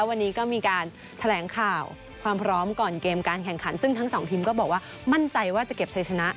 วันนี้ก็มีการแถลงข่าวความพร้อมก่อนเกมการแข่งขันซึ่งทั้งสองทีมก็บอกว่ามั่นใจว่าจะเก็บชัยชนะ